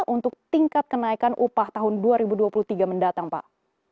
untuk tingkat kenaikan upah tahun dua ribu dua puluh tiga mendatang pak